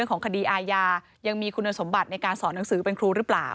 ของคดีอาญายังมีคุณสมบัติในการสอนหนังสือเป็นครูหรือเปล่า